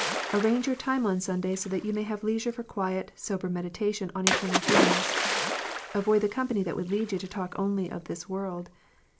Arrange your time on Sunday so that you may have leisure for quiet, sober meditation on eternal things. Avoid the company that would lead you to talk only of this world.